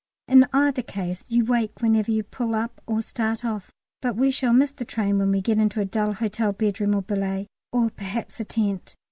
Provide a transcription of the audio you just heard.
In either case you wake whenever you pull up or start off. But we shall miss the train when we get into a dull hotel bedroom or a billet, or perhaps a tent.